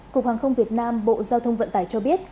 cục hàng không việt nam bộ giao thông vận tải cho biết